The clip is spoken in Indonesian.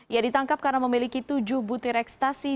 ia ditangkap karena memiliki tujuh butir ekstasi